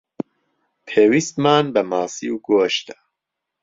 پێویستمان بە ماسی و گۆشتە.